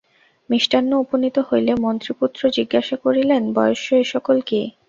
মিষ্টান্ন উপনীত হইলে মন্ত্রিপুত্র জিজ্ঞাসা করিলেন, বয়স্য এ সকল কি।